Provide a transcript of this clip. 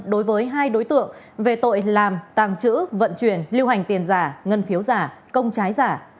đối với hai đối tượng về tội làm tàng trữ vận chuyển lưu hành tiền giả ngân phiếu giả công trái giả